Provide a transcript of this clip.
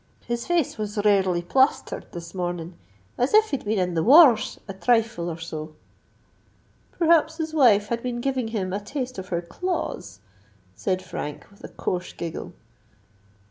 His face was rarely plasthered this mornin', as if he'd been in the war r rs a thrifle or so." "Perhaps his wife had been giving him a taste of her claws?" said Frank, with a coarse giggle.